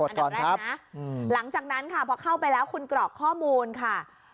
อันดับแรกนะหลังจากนั้นค่ะพอเข้าไปแล้วคุณกรอกข้อมูลค่ะ